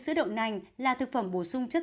sữa đậu nành là thực phẩm bổ sung chất